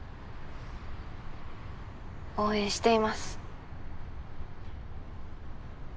応援しています。